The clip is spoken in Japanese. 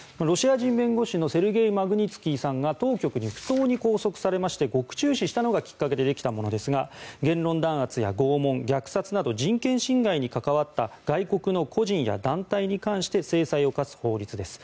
ロシア人弁護士のセルゲイ・マグニツキーさんが当局に不当に拘束されまして獄中死したのがきっかけでできたものですが言論弾圧や拷問虐殺など人権侵害に関わった外国の個人や団体に関して制裁を科す法律。